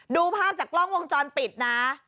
ดูภาพจากกล้องวงจรปิดนะ